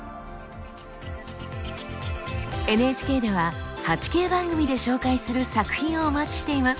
ＮＨＫでは８Ｋ番組で紹介する作品をお待ちしています。